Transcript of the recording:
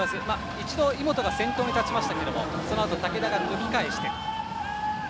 一度、井本が先頭に立ちましたがそのあと竹田が抜き返しました。